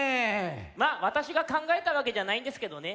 まっわたしがかんがえたわけじゃないんですけどね。